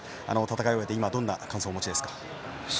戦い終えて今どんな感想をお持ちですか？